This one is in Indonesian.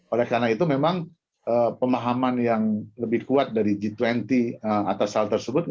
oleh karena itu memang pemahaman yang lebih kuat dari g dua puluh atas hal tersebut